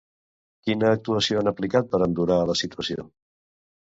Quina actuació han aplicat per endurar la situació?